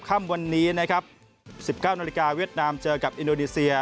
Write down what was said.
ค่ำวันนี้นะครับ๑๙นาฬิกาเวียดนามเจอกับอินโดนีเซีย